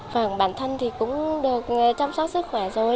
bản thân thì cũng được chăm sóc sức khỏe rồi